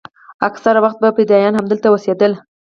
اکثره وخت به فدايان همدلته اوسېدل.